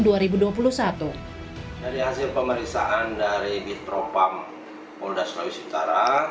dari hasil pemeriksaan dari bitropam polda sulawesi utara